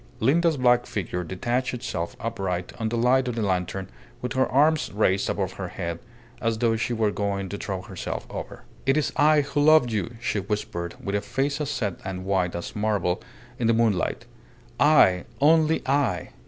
Linda's black figure detached itself upright on the light of the lantern with her arms raised above her head as though she were going to throw herself over. "It is I who loved you," she whispered, with a face as set and white as marble in the moonlight. "I! Only I!